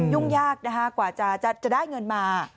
ยุ่งยากนะคะกว่าจะได้เงินมา